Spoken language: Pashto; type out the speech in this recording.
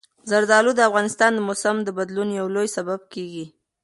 زردالو د افغانستان د موسم د بدلون یو لوی سبب کېږي.